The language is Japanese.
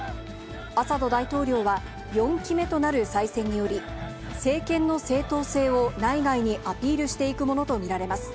アサド大統領は、４期目となる再選により、政権の正統性を内外にアピールしていくものと見られます。